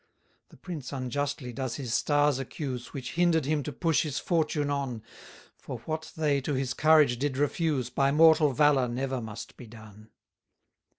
133 The prince unjustly does his stars accuse, Which hinder'd him to push his fortune on; For what they to his courage did refuse, By mortal valour never must be done.